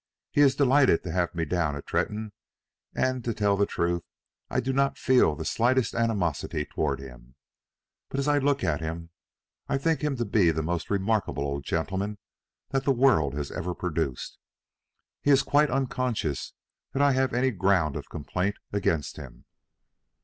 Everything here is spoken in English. He is delighted to have me down at Tretton, and, to tell the truth, I do not feel the slightest animosity toward him. But as I look at him I think him to be the most remarkable old gentleman that the world has ever produced. He is quite unconscious that I have any ground of complaint against him."